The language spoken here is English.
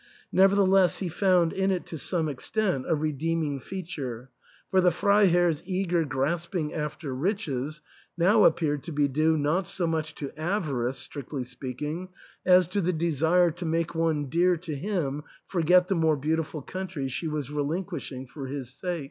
Nevertheless he found in it to some extent a redeeming feature, for the Freiherr's eager grasping after riches now appeared to be due not so much to avarice strictly speaking as to the desire to make one dear to him forget the more beautiful countrv she was relinquishing for his sake.